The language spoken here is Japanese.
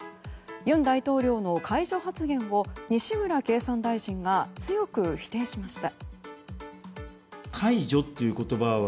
尹大統領の解除発言を西村経産大臣が強く否定しました。